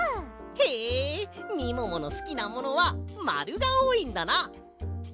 へえみもものすきなものはまるがおおいんだな。